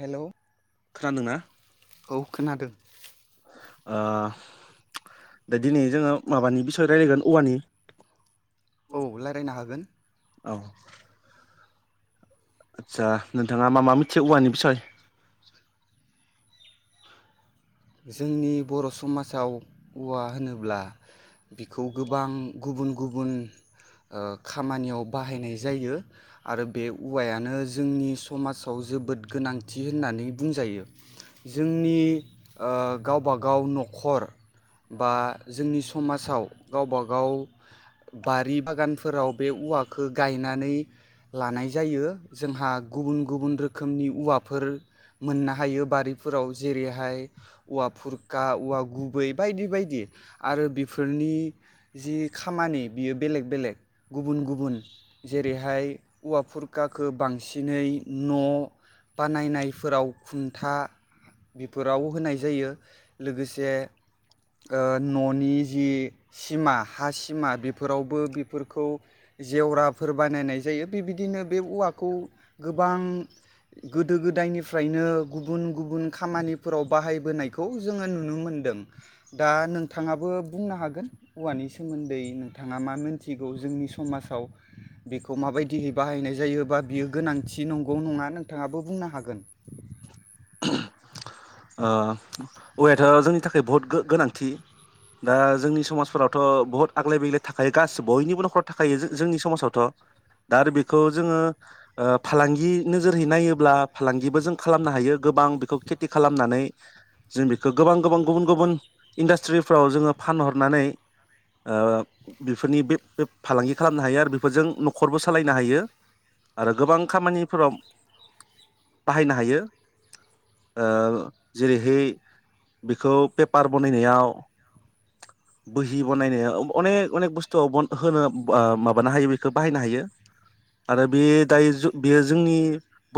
हेल' औ खोनादों ओ दा दिनै जोङो माबानि बिसय रायज्लायगोन औवानि औ आतसा नोंथाङा मा मा मिथिगौ औवानि बिसय जोंनि बर' स समाजाव औवा होनोब्ला बिखौ गोबां गुबुन गुबुन ओ खामानियाव बाहायनाय जायो आरो बे औवायानो जोंनि समाजाव जोबोद गोनांथि होननानै बुंजायो जोंनि ओ गावबागाव न'खर बा जोंनि समाज गावबाागाव बारि बागानफोराव बे औवाखौ गायनानै लानाय जायो जोंहा गुबुन गुबुन रोखोमनि औवाफोर मोननो हायो बारिफोराव जेरैहाय औवा फुरखा औवा गुबै बायदि बायदि आरो बेफोर फोरनि जि खामानि बियो बेलेग बेलेग गुबुन गुबुन जेरैहाय औवा फुरखाखौ बांसिनै न' बानायनायफोराव खुन्था बेफोराव नाय लोगोसे न'नि जि सिमा हा सिमा बेफोरावबो बेफोरखौ जेवराफोर बानायनाय जायो। बेबायदिनो बे औवाखौ गोबां गोदो गोदायनिफ्रायनो गुबुन गुबुन खामानिफोराव बाहायबोनायखौ जोङो नुनो मोनदों। दा नोंथाङाबो बुंनो हागोन औवानि सोमोन्दै नोंथाङा मा मिथिगौ? जोंनि समाजाव बेखौ माबायदियै बाहायनाय जायोबा? बियो गोनांथि नंगौ नङा नोंथाङाबो बुंनो हागोन। ओ। औयाथ' जोंनि थाखाय बहुत गोनांथि। दा जोंनि समाजफोरावथ' बहुथ आग्लाय बेैग्लाय थाखायो गासि बयनिबो न'खराव थाखायो जों जोंनि समाजावथ'। दा आरो बेखौ जोङो फालांगि नोजोरहै नायोब्ला फालांगिबो जों खालामनो हायो। गोबां बेखौ खेथि खालामनानै जों बेखौ गोबां गोबां गुबुन गुबुन इन्डास्ट्रि जोङो फानहरनानै बिफोरनि बि फालांगि खालामनो हायो। आरो बेफोरजों न'खरबो सालायनो नो हायो आरो गोबां खामानिफोराव बाहायनो हायो ओ जेरैहाय बेखौ पेपार बनायनायाव बोहि बनायनाय अनेक अनेक बुस्थुआव होनो माबानो हायो बेखौ बाहायनो हायो। आरो बे दायो बेयो जोंनि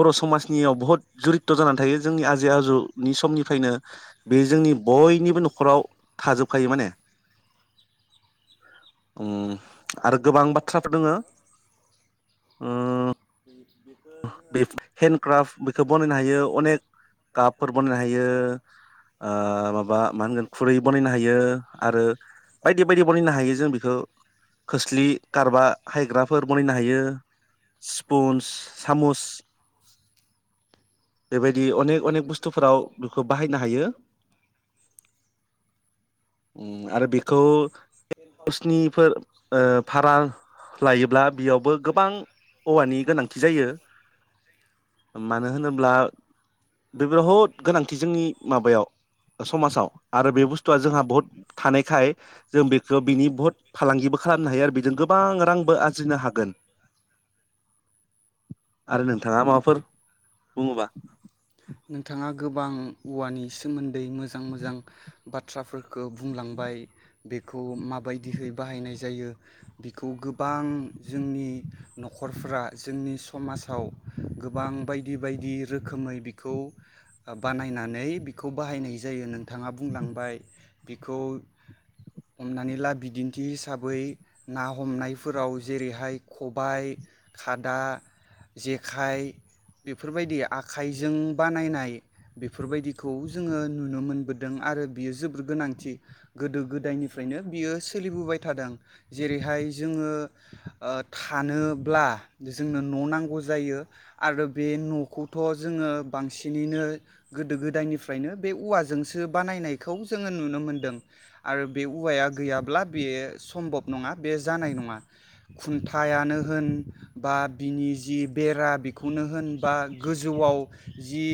बर' समाजनियाव बहुत जुरित्त' जानानै थायो जोंनि आजै आजौनि समनिफ्रायनो बे जोंनि बयनिबो न'खराव थाजोबखायो माने। उम आरो गोबां बाथ्राफोर दोङो ओ बे हेन्द क्राफ्ट बेखौ बनायनो हायो अनेक कापफोर बनायनो हायो आ माबा मा होनगोन खुरै बनायनो हायो आरो बायदि बायदि बनायनो हायो जों खोस्लि गारबा हायग्राफोर बनायनो हायो स्पुन्स। सामुस बेबायदि अनेक अनेक बुस्थुफोराव बेखौ बाहायनो हायो। आरो बेखौ टेन्ट हाउसनिफोर ओ भारा लायोब्ला बेयावबो गोबां औवानि गोनां जायो मानो होनोब्ला बे बिहुत गोनांथि जोंनि माबायाव समाजाव आरो बे बुस्थुआ जोंहा बहुत थानायखाय जों बेखौ बिनि बहुत फालांगिबो खालामनो हायो आरो बेजों गोबां रांबो आरजिनो हागोन। नोंथाङा गोबां औवानि सोमोन्दै मोजां मोजां बाथ्राफोरखौ बुंलांबाय बेखौ माबायदिहै बाहायनाय जायो। बिखौ गोबां जोंनि न'खरफ्रा जोंनि समाजाव गोबां बायदि बायदि रोखोमै बिखौ ओ बानायनानै बिखौ बाहायनाय जायो नों बिथाङा बुंलांबाय बेखौ हमनानै ला बिदिनो खि हिसाबै ना हमनायफोराव जेरैहाय खबाइ, खादा जेखाइ बेफोरबायदि आखाइजों बानायनाय बेफोरबायदिखौ जोङो नुनो मोनबोदों आरो बियो जोबोर गोनांथि गोदो गोदायनिफ्रायनो बियो सो सोलिबोबाय थादों जेरैहाय जोङो ओ थानोब्ला जोंनो न' नांगौ जायो। आरो बे न'खौथ' जोङो बांसिनैनो गोदो गोदायनिफ्रायनो बे औवाजोंसो बानायनायखौ जोङो नुनो मोनदों आरो बे औवाया गैयाब्ला बे सम्भब नङा बे जानाय नङा खुन्थायानो होन बा बिनि जि बेरा बेखौनो होन बा गोजौआव जि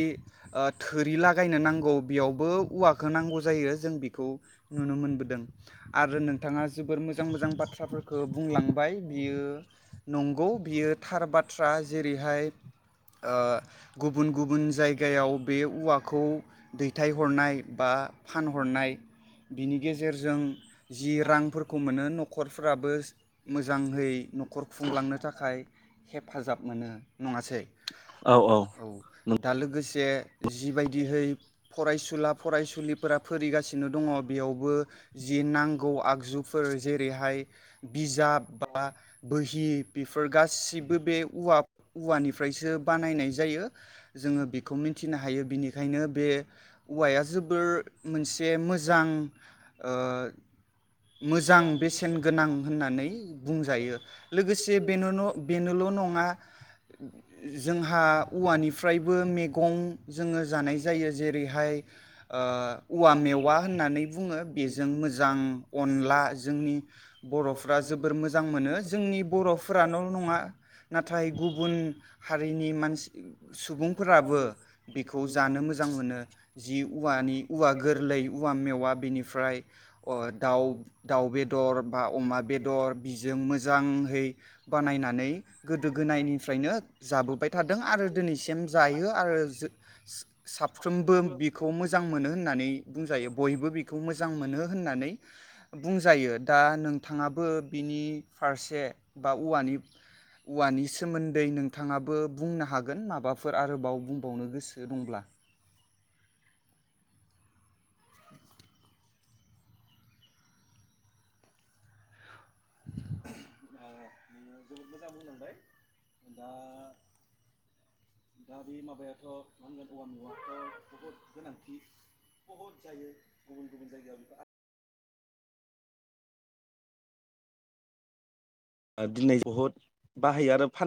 ओ थोरिलागायनो नांगौ बेयावबो औवाखौ नांगौ जायो जों बेखौ नुनो मोनबोदों आरो नोंथाङा जोबोर मोजां मोजां बाथ्राफोरखौ बुंलांबाय बियो नंगौ बियो थार बाथ्रा जेरैहाय ओ गुबुन गुबुन जायगायाव बे औवाखौ दैथायहरनाय बा फानहरनाय बिनि गेजेरजों जि रांफोरखौ मोनो न'खरफ्राबो मोजाङहै न'खर खुंलांनो थाखाय हेफाजाब मोनो नङासै औ औ औ। दा लोगोसे जिबायदिहै फरायसुला फरायसुलिफोरा फोरिगासिनो दङ' बेयावबो जि नांगौ आगजुफोर जेरैहाय बिजाब बा बोहि बेफोर गासिब बे औवा-औवफ्रायसो बानायनाय जायो जोङो बेखौ मिथिनो हायो। खायनो बे औवाया जोबोर मोनसे मोजां ओ मोजां बेसेन गोनां होननानै बुंजायो। लोगोसे बेन' न' बेनोल' नङा जोंहा औवानिफ्रायबो मेगं जोङो जानाय जायो। जेरैहाय ओ औवा मेवा होननानै बुङो बेजों मोजां अनला जोंनि बर'फ्रा जोबोर मोजां मोनो। जोंनि बर'फोरनाल' नङा नाथाय गुबुन हारिनि मानसि सुबुंफोराबो बेखौ जानो मोजां मोनो। जि ऊवानि ऊवा गोरलै ऊवा मेवा बेनिफ्राय ओ दाउ दाउ बेदर बा अमा बेदर बिजों मोजांहै बानायनानै गोदो गोनायनिफ्रायनो जाबोबाय थादों आरो दिनैसिम जायो आरो सा-साफ्रोमबो बिखौ मोजां मोनो होननानै बुंजायो। बयबो बिखौ मोजां मोनो होननानै बुंजायो। दा नोंथाङाबो बिनि फारसे बा औवानि औवानि सोमोन्दै नोंथाङाबो बुंनो हागोन माबाफोर आरोबाव बुंबावनो गोसो दंब्ला। ओ नोङो जोबोद मोजां बुंलांबाय दा दा बे माबायाथ' मा होनोन औवा न'वआथ' बहुद गोनांथि बहुद जायो गुबुन गुबुन जायगायाव बेफोर दिनै बहुद बाहायो आरो फाना